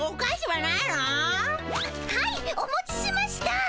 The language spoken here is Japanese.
はいお持ちしました。